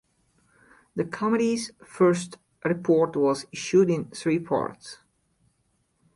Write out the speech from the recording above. The committee's first report was issued in three parts.